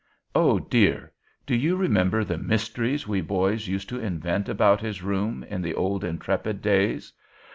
Oh, dear! do you remember the mysteries we boys used to invent about his room in the old 'Intrepid' days?